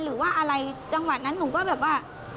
หรือว่าอะไรจังหวะนั้นหนูก็แบบว่า